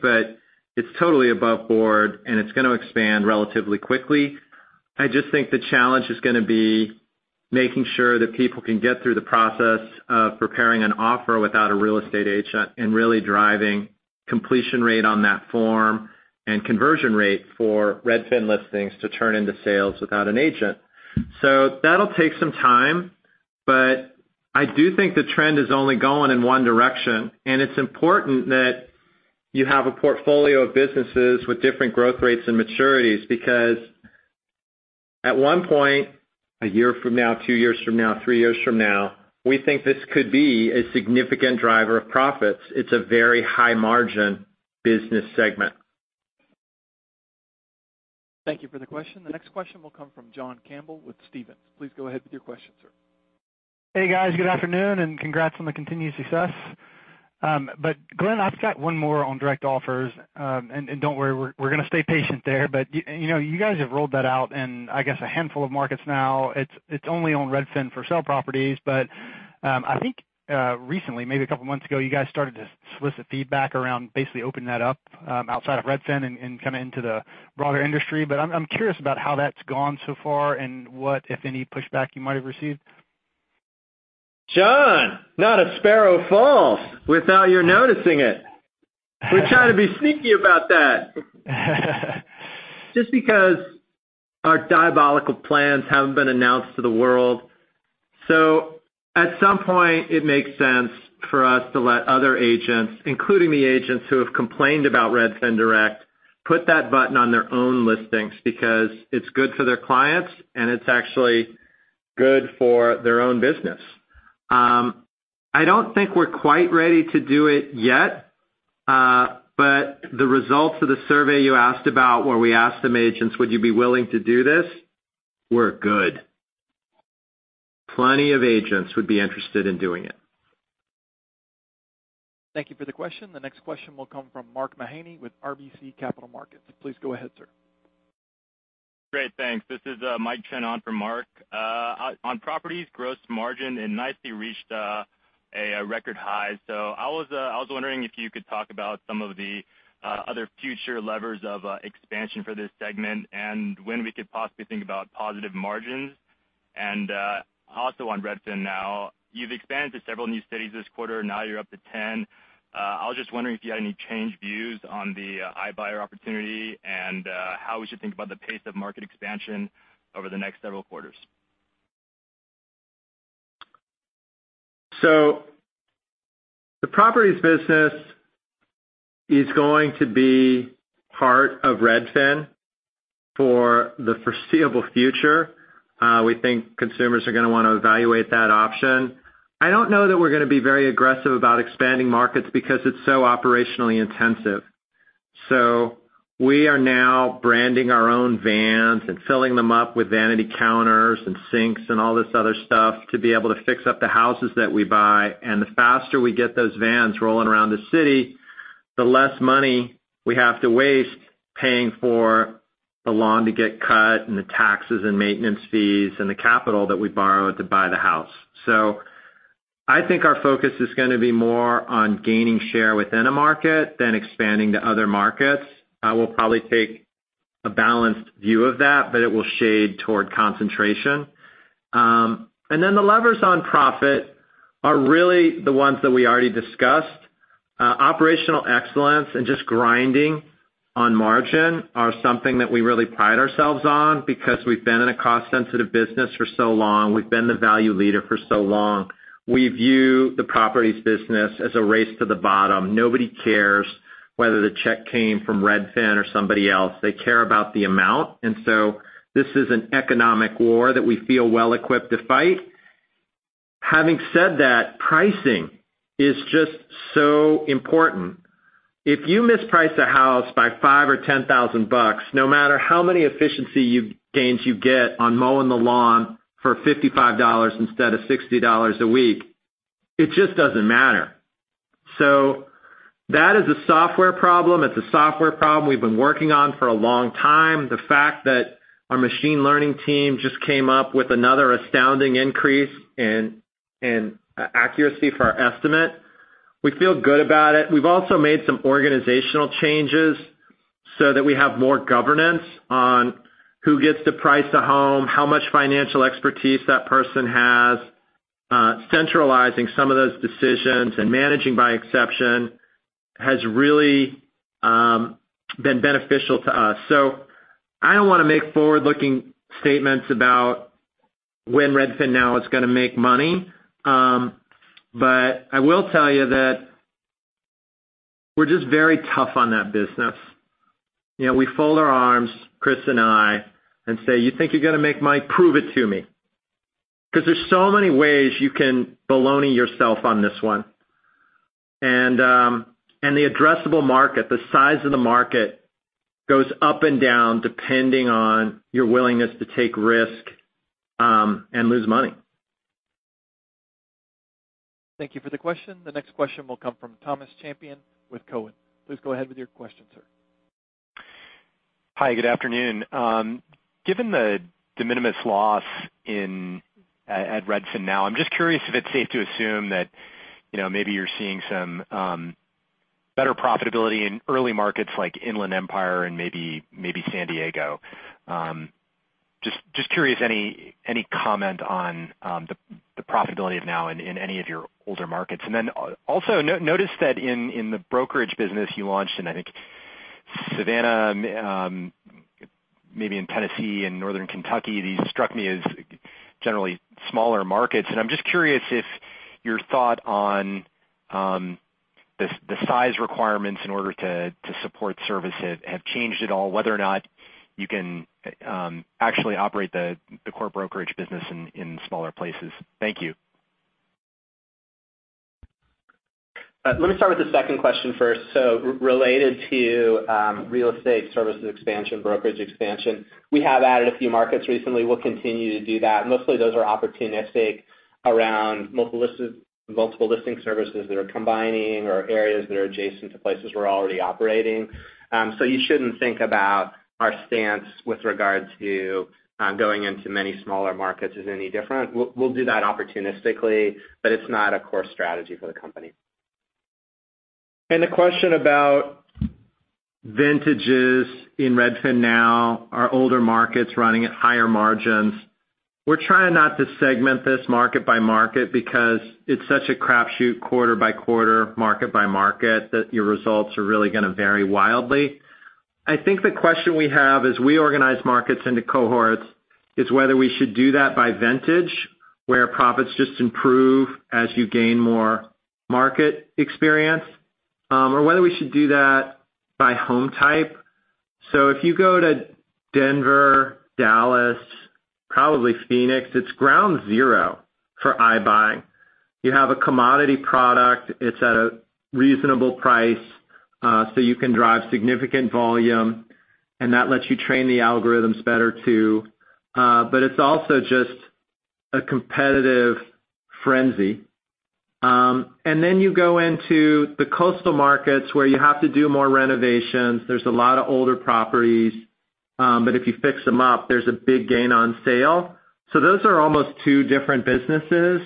it's totally above board, and it's going to expand relatively quickly. I just think the challenge is going to be making sure that people can get through the process of preparing an offer without a real estate agent and really driving completion rate on that form and conversion rate for Redfin listings to turn into sales without an agent. That'll take some time, but I do think the trend is only going in one direction, and it's important that you have a portfolio of businesses with different growth rates and maturities, because at one point, a year from now, two years from now, three years from now, we think this could be a significant driver of profits. It's a very high-margin business segment. Thank you for the question. The next question will come from John Campbell with Stephens. Please go ahead with your question, sir. Hey, guys. Good afternoon and congrats on the continued success. Glenn, I've got one more on direct offers. Don't worry, we're going to stay patient there. You guys have rolled that out in, I guess, a handful of markets now. It's only on Redfin for sale properties. I think recently, maybe a couple of months ago, you guys started to solicit feedback around basically opening that up outside of Redfin and into the broader industry. I'm curious about how that's gone so far and what, if any, pushback you might have received. John, not a sparrow falls without your noticing it. We try to be sneaky about that, just because our diabolical plans haven't been announced to the world. At some point, it makes sense for us to let other agents, including the agents who have complained about Redfin Direct, put that button on their own listings because it's good for their clients and it's actually good for their own business. I don't think we're quite ready to do it yet. The results of the survey you asked about where we asked some agents, "Would you be willing to do this?" Were good. Plenty of agents would be interested in doing it. Thank you for the question. The next question will come from Mark Mahaney with RBC Capital Markets. Please go ahead, sir. Great, thanks, this is Mike Chen on for Mark. On Properties gross margin, it nicely reached a record high. I was wondering if you could talk about some of the other future levers of expansion for this segment and when we could possibly think about positive margins. Also on RedfinNow, you've expanded to several new cities this quarter, and now you're up to 10. I was just wondering if you had any changed views on the iBuyer opportunity and how we should think about the pace of market expansion over the next several quarters. The Properties business is going to be part of Redfin for the foreseeable future. We think consumers are going to want to evaluate that option. I don't know that we're going to be very aggressive about expanding markets because it's so operationally intensive. We are now branding our own vans and filling them up with vanity counters and sinks and all this other stuff to be able to fix up the houses that we buy. The faster we get those vans rolling around the city, the less money we have to waste paying for the lawn to get cut and the taxes and maintenance fees and the capital that we borrowed to buy the house. I think our focus is going to be more on gaining share within a market than expanding to other markets. I will probably take a balanced view of that, but it will shade toward concentration. The levers on profit are really the ones that we already discussed. Operational excellence and just grinding on margin are something that we really pride ourselves on because we've been in a cost-sensitive business for so long. We've been the value leader for so long. We view the properties business as a race to the bottom. Nobody cares whether the check came from Redfin or somebody else. They care about the amount. This is an economic war that we feel well-equipped to fight, and having said that, pricing is just so important. If you misprice a house by $5,000 or $10,000, no matter how many efficiency gains you get on mowing the lawn for $55 instead of $60 a week, it just doesn't matter. That is a software problem. It's a software problem we've been working on for a long time. The fact that our machine learning team just came up with another astounding increase in accuracy for our Estimate, we feel good about it. We've also made some organizational changes so that we have more governance on who gets to price a home, how much financial expertise that person has, centralizing some of those decisions and managing by exception has really been beneficial to us. I don't want to make forward-looking statements about when RedfinNow is going to make money. I will tell you that we're just very tough on that business. We fold our arms, Chris and I, and say, "You think you're going to make money? Prove it to me." There's so many ways you can baloney yourself on this one. The addressable market, the size of the market, goes up and down depending on your willingness to take risk and lose money. Thank you for the question. The next question will come from Thomas Champion with Cowen. Please go ahead with your question, sir. Hi, good afternoon. Given the de minimis loss at RedfinNow, I'm just curious if it's safe to assume that maybe you're seeing some better profitability in early markets like Inland Empire and maybe San Diego, just curious, any comment on the profitability of Now in any of your older markets? Also, noticed that in the brokerage business you launched in, I think, Savannah, maybe in Tennessee and Northern Kentucky. These struck me as generally smaller markets, and I'm just curious if your thought on the size requirements in order to support services have changed at all, whether or not you can actually operate the core brokerage business in smaller places. Thank you. Let me start with the second question first. Related to real estate services expansion, brokerage expansion, we have added a few markets recently. We'll continue to do that. Mostly those are opportunistic around multiple listing services that are combining or areas that are adjacent to places we're already operating. You shouldn't think about our stance with regard to going into many smaller markets as any different. We'll do that opportunistically, but it's not a core strategy for the company. The question about vintages in RedfinNow, are older markets running at higher margins. We're trying not to segment this market by market because it's such a crapshoot quarter by quarter, market by market, that your results are really going to vary wildly. I think the question we have as we organize markets into cohorts is whether we should do that by vintage, where profits just improve as you gain more market experience, or whether we should do that by home type. If you go to Denver, Dallas, probably Phoenix, it's ground zero for iBuying. You have a commodity product, it's at a reasonable price, so you can drive significant volume, and that lets you train the algorithms better too. It's also just a competitive frenzy. You go into the coastal markets where you have to do more renovations. There's a lot of older properties. If you fix them up, there's a big gain on sale. Those are almost two different businesses.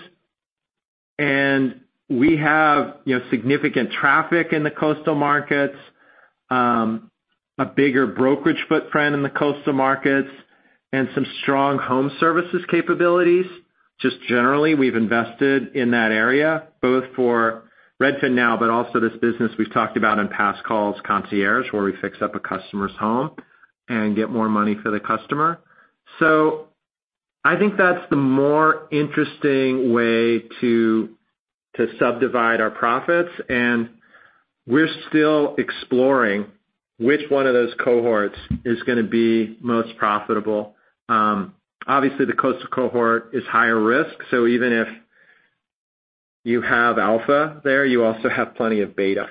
We have significant traffic in the coastal markets, a bigger brokerage footprint in the coastal markets, and some strong home services capabilities. Just generally, we've invested in that area, both for RedfinNow, but also this business we've talked about in past calls, Concierge, where we fix up a customer's home and get more money for the customer. I think that's the more interesting way to subdivide our profits and we're still exploring which one of those cohorts is going to be most profitable. Obviously, the coastal cohort is higher risk, so even if you have alpha there, you also have plenty of beta.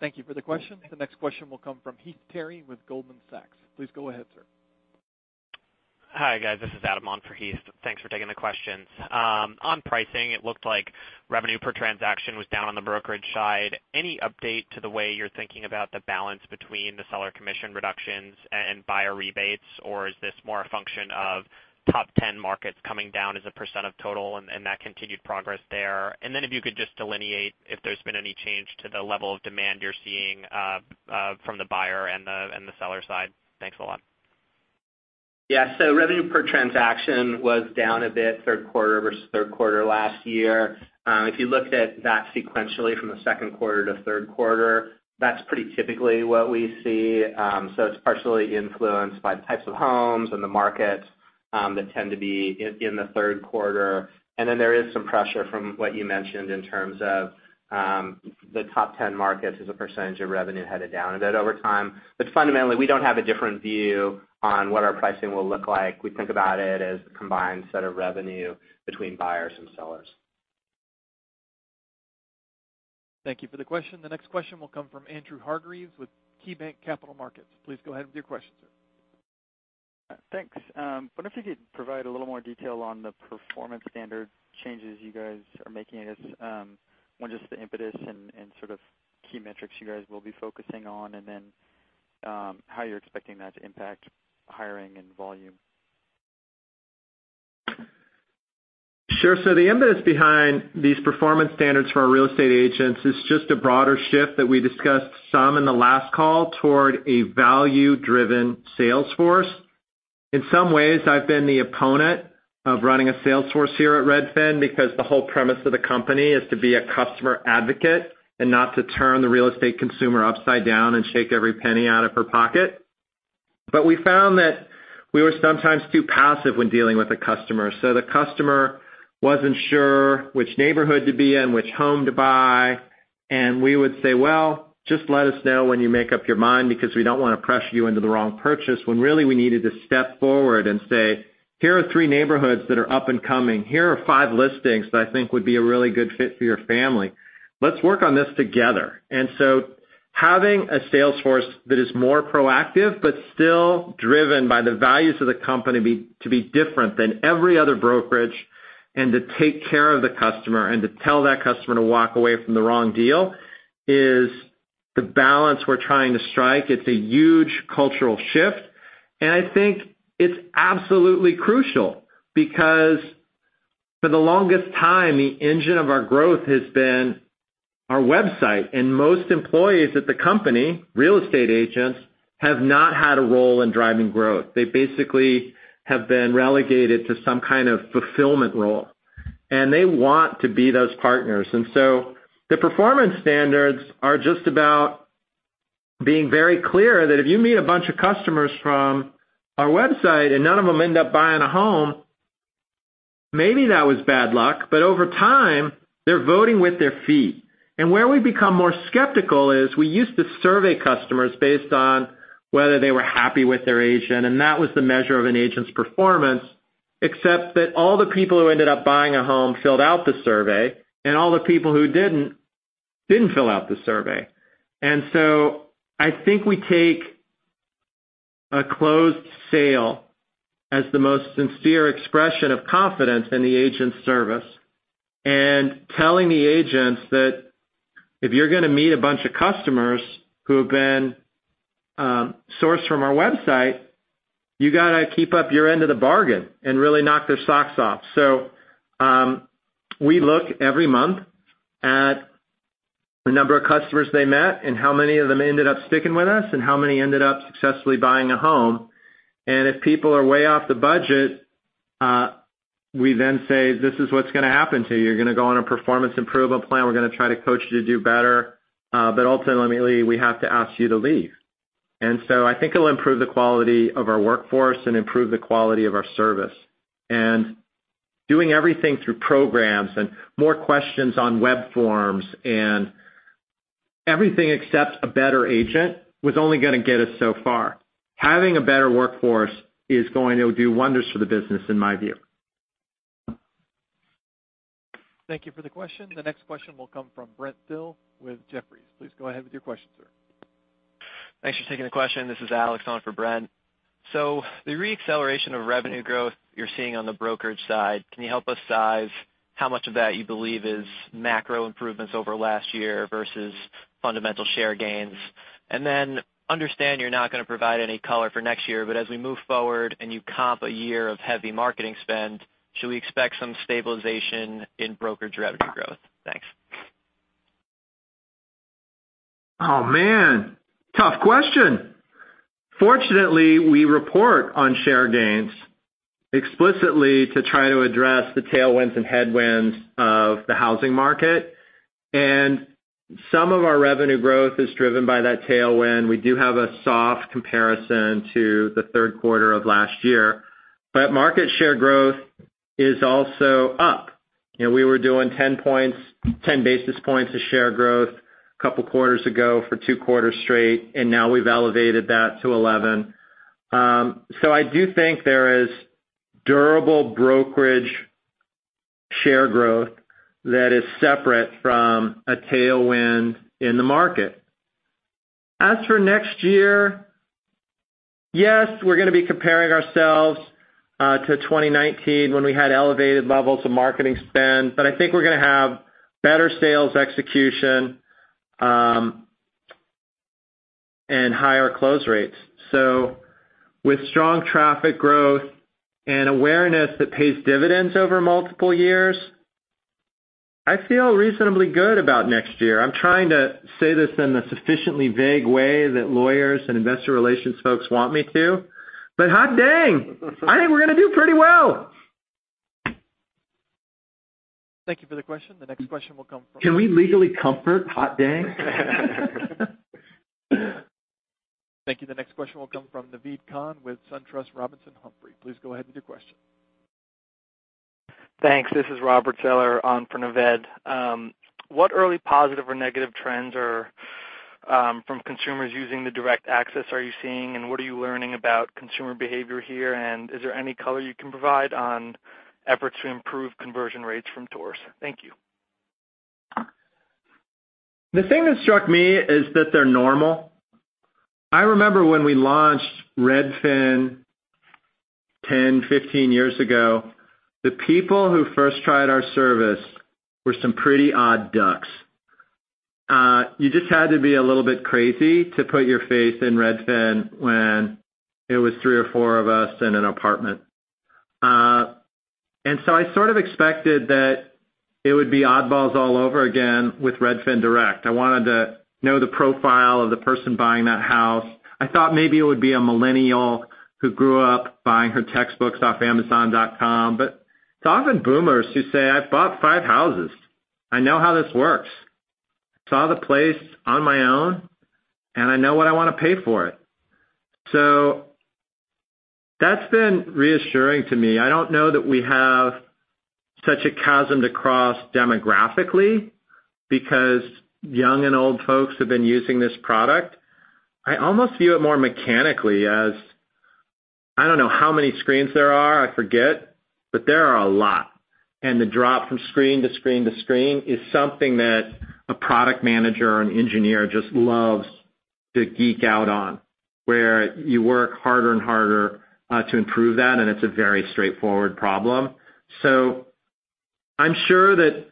Thank you for the question. The next question will come from Heath Terry with Goldman Sachs. Please go ahead, sir. Hi, guys. This is Adam on for Heath. Thanks for taking the questions. On pricing, it looked like revenue per transaction was down on the brokerage side. Any update to the way you're thinking about the balance between the seller commission reductions and buyer rebates? Is this more a function of top 10 markets coming down as a percent of total and that continued progress there? If you could just delineate if there's been any change to the level of demand you're seeing from the buyer and the seller side. Thanks a lot. Revenue per transaction was down a bit third quarter versus third quarter last year. If you looked at that sequentially from the second quarter to third quarter, that's pretty typically what we see. It's partially influenced by the types of homes and the markets that tend to be in the third quarter. There is some pressure from what you mentioned in terms of the top 10 markets as a percentage of revenue headed down a bit over time. Fundamentally, we don't have a different view on what our pricing will look like. We think about it as a combined set of revenue between buyers and sellers. Thank you for the question. The next question will come from Andrew Hargreaves with KeyBanc Capital Markets. Please go ahead with your question, sir. Thanks. I wonder if you could provide a little more detail on the performance standard changes you guys are making. I guess, one, just the impetus and sort of key metrics you guys will be focusing on, and then how you're expecting that to impact hiring and volume. Sure. The impetus behind these performance standards for our real estate agents is just a broader shift that we discussed some in the last call toward a value-driven sales force. In some ways, I've been the opponent of running a sales force here at Redfin because the whole premise of the company is to be a customer advocate and not to turn the real estate consumer upside down and shake every penny out of her pocket. We found that we were sometimes too passive when dealing with a customer. The customer wasn't sure which neighborhood to be in, which home to buy, and we would say, "Well, just let us know when you make up your mind because we don't want to pressure you into the wrong purchase," when really we needed to step forward and say, "Here are three neighborhoods that are up and coming. Here are five listings that I think would be a really good fit for your family. Let's work on this together." Having a sales force that is more proactive, but still driven by the values of the company to be different than every other brokerage and to take care of the customer and to tell that customer to walk away from the wrong deal is the balance we're trying to strike. It's a huge cultural shift, and I think it's absolutely crucial because for the longest time, the engine of our growth has been our website, and most employees at the company, real estate agents, have not had a role in driving growth. They basically have been relegated to some kind of fulfillment role, and they want to be those partners. The performance standards are just about being very clear that if you meet a bunch of customers from our website and none of them end up buying a home, maybe that was bad luck, but over time, they're voting with their feet. Where we become more skeptical is we used to survey customers based on whether they were happy with their agent, and that was the measure of an agent's performance, except that all the people who ended up buying a home filled out the survey, and all the people who didn't, didn't fill out the survey. I think we take a closed sale as the most sincere expression of confidence in the agent's service and telling the agents that if you're going to meet a bunch of customers who have been sourced from our website, you got to keep up your end of the bargain and really knock their socks off. We look every month at the number of customers they met and how many of them ended up sticking with us and how many ended up successfully buying a home. If people are way off the budget, we then say, "This is what's going to happen to you. You're going to go on a performance improvement plan. We're going to try to coach you to do better. Ultimately, we have to ask you to leave. I think it'll improve the quality of our workforce and improve the quality of our service, and doing everything through programs and more questions on web forms, and everything except a better agent was only going to get us so far. Having a better workforce is going to do wonders for the business in my view. Thank you for the question. The next question will come from Brent Thill with Jefferies. Please go ahead with your question, sir. Thanks for taking the question. This is Alex on for Brent. The re-acceleration of revenue growth you're seeing on the brokerage side, can you help us size how much of that you believe is macro improvements over last year versus fundamental share gains? I understand you're not going to provide any color for next year, but as we move forward and you comp a year of heavy marketing spend, should we expect some stabilization in brokerage revenue growth? Thanks. Oh, man, tough question. Fortunately, we report on share gains explicitly to try to address the tailwinds and headwinds of the housing market. Some of our revenue growth is driven by that tailwind. We do have a soft comparison to the third quarter of last year. Market share growth is also up. We were doing 10 basis points of share growth, a couple quarters ago for two quarters straight, and now we've elevated that to 11. I do think there is durable brokerage share growth that is separate from a tailwind in the market. As for next year, yes, we're going to be comparing ourselves to 2019, when we had elevated levels of marketing spend. I think we're going to have better sales execution, and higher close rates. With strong traffic growth and awareness that pays dividends over multiple years, I feel reasonably good about next year. I'm trying to say this in a sufficiently vague way that lawyers and investor relations folks want me to, but hot dang, I think we're going to do pretty well. Thank you for the question. The next question will come from. Can we legally comfort hot dang? Thank you. The next question will come from Naved Khan with SunTrust Robinson Humphrey. Please go ahead with your question. Thanks. This is Robert Zeller on for Naved. What early positive or negative trends from consumers using the Direct Access are you seeing, and what are you learning about consumer behavior here? Is there any color you can provide on efforts to improve conversion rates from tours? Thank you. The thing that struck me is that they're normal. I remember when we launched Redfin 10, 15 years ago, the people who first tried our service were some pretty odd ducks. You just had to be a little bit crazy to put your faith in Redfin when it was three or four of us in an apartment. I sort of expected that it would be oddballs all over again with Redfin Direct. I wanted to know the profile of the person buying that house. I thought maybe it would be a millennial who grew up buying her textbooks off Amazon.com. It's often boomers who say, "I've bought five houses. I know how this works. I saw the place on my own, and I know what I want to pay for it." That's been reassuring to me. I don't know that we have such a chasm to cross demographically because young and old folks have been using this product. I almost view it more mechanically as, I don't know how many screens there are, I forget, but there are a lot, and the drop from screen to screen to screen is something that a product manager or an engineer just loves to geek out on, where you work harder and harder to improve that, and it's a very straightforward problem. I'm sure that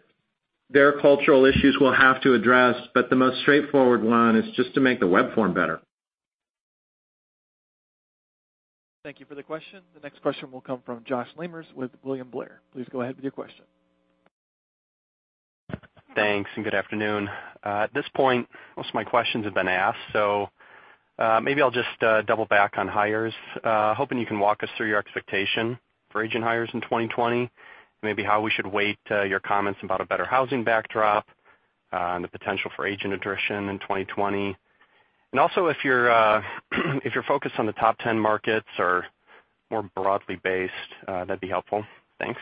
there are cultural issues we'll have to address, but the most straightforward one is just to make the web form better. Thank you for the question. The next question will come from Josh Lamers with William Blair. Please go ahead with your question. Thanks and good afternoon. At this point, most of my questions have been asked, so maybe I'll just double back on hires. I'm hoping you can walk us through your expectation for agent hires in 2020, maybe how we should weight your comments about a better housing backdrop, and the potential for agent attrition in 2020. Also, if you're focused on the top 10 markets or more broadly based, that'd be helpful. Thanks.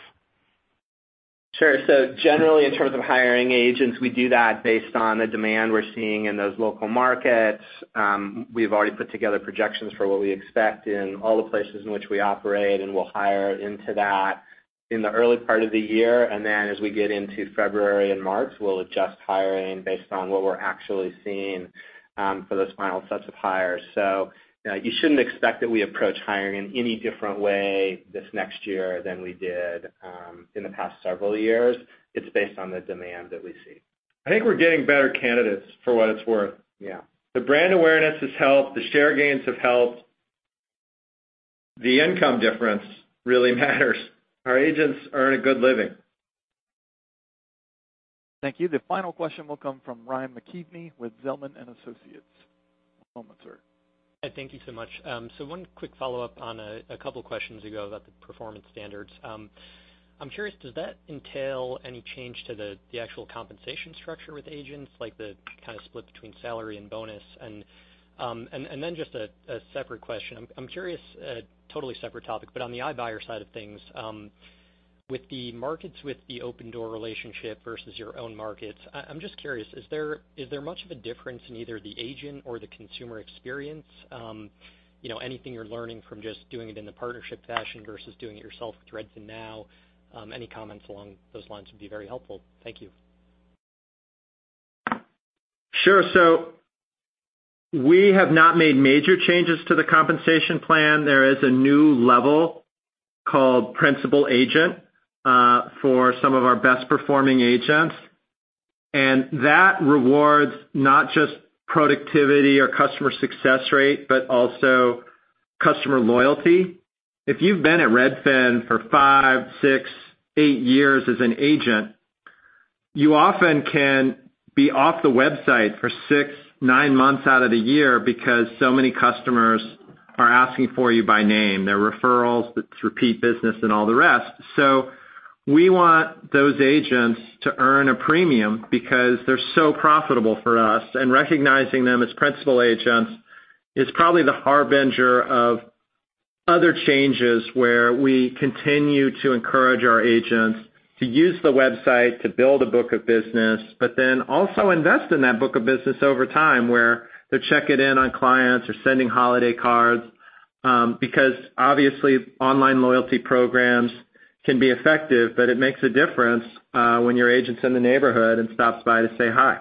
Sure. Generally, in terms of hiring agents, we do that based on the demand we're seeing in those local markets. We've already put together projections for what we expect in all the places in which we operate, and we'll hire into that in the early part of the year. Then as we get into February and March, we'll adjust hiring based on what we're actually seeing for those final sets of hires. You shouldn't expect that we approach hiring in any different way this next year than we did in the past several years. It's based on the demand that we see. I think we're getting better candidates, for what it's worth. Yeah. The brand awareness has helped. The share gains have helped. The income difference really matters. Our agents earn a good living. Thank you. The final question will come from Ryan McKeveny with Zelman & Associates. One moment, sir. Thank you so much. One quick follow-up on a couple questions ago about the performance standards. I'm curious, does that entail any change to the actual compensation structure with agents, like the kind of split between salary and bonus? Then just a separate question. I'm curious, a totally separate topic, but on the iBuyer side of things, with the markets with the Opendoor relationship versus your own markets, I'm just curious, is there much of a difference in either the agent or the consumer experience? Anything you're learning from just doing it in the partnership fashion versus doing it yourself with RedfinNow? Any comments along those lines would be very helpful. Thank you. Sure. We have not made major changes to the compensation plan. There is a new level called Principal Agent for some of our best-performing agents, and that rewards not just productivity or customer success rate, but also customer loyalty. If you've been at Redfin for five, six, eight years as an agent, you often can be off the website for six, nine months out of the year because so many customers are asking for you by name. They're referrals, it's repeat business and all the rest. We want those agents to earn a premium because they're so profitable for us, and recognizing them as principal agents is probably the harbinger of other changes, where we continue to encourage our agents to use the website to build a book of business, also invest in that book of business over time, where they're checking in on clients or sending holiday cards, because, obviously, online loyalty programs can be effective, but it makes a difference when your agent's in the neighborhood and stops by to say hi.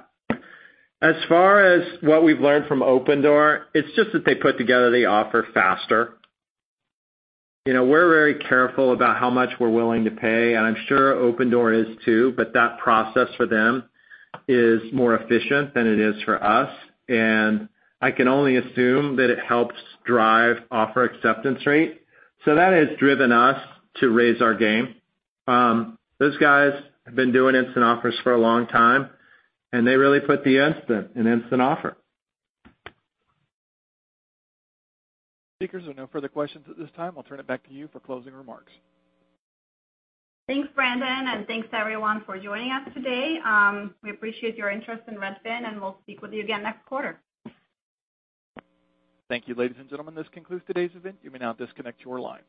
As far as what we've learned from Opendoor, it's just that they put together the offer faster. We're very careful about how much we're willing to pay, and I'm sure Opendoor is too, but that process for them is more efficient than it is for us, and I can only assume that it helps drive offer acceptance rate. That has driven us to raise our game. Those guys have been doing instant offers for a long time, and they really put the instant in instant offer. Speakers, there are no further questions at this time. I'll turn it back to you for closing remarks. Thanks, Brandon, and thanks to everyone for joining us today. We appreciate your interest in Redfin and we'll speak with you again next quarter. Thank you, ladies and gentlemen. This concludes today's event. You may now disconnect your lines.